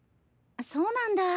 そうなんだ。